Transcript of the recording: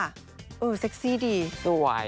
เซ็กเซ็กซี่ดีสวย